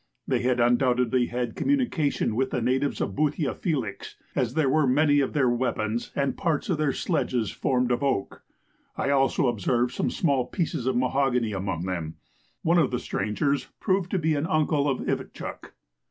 They had undoubtedly had communication with the natives of Boothia Felix, as there were many of their weapons, and parts of their sledges formed of oak. I also observed some small pieces of mahogany among them. One of the strangers proved to be an uncle of Ivitchuk.